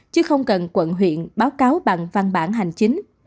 chứ không cần quận huyện báo cáo bằng văn bản hành chính